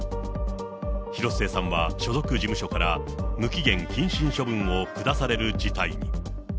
広末さんは所属事務所から、無期限謹慎処分を下される事態に。